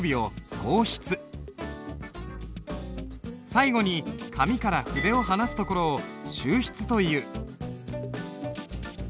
最後に紙から筆を離すところを収筆という。